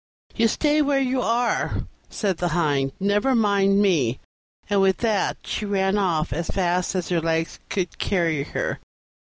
"You stay where you are," said the Hind; "never mind me": and with that she ran off as fast as her legs could carry her.